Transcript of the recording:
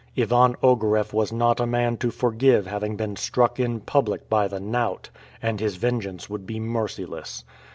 Ivan Ogareff was not a man to forgive having been struck in public by the knout, and his vengeance would be merciless.